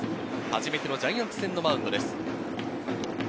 初めてのジャイアンツ戦のマウンドです。